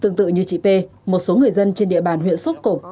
tương tự như chị p một số người dân trên địa bàn huyện sóc cộng